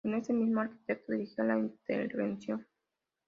Este mismo arquitecto dirige la intervención.